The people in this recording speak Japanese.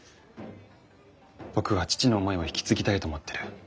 僕は父の思いを引き継ぎたいと思ってる。